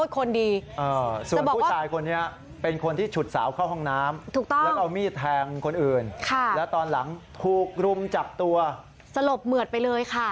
คนอื่นค่ะแล้วตอนหลังถูกรุมจับตัวสลบเหมือดไปเลยค่ะ